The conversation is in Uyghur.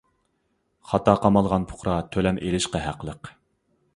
خاتا قامالغان پۇقرا تۆلەم ئېلىشقا ھەقلىق.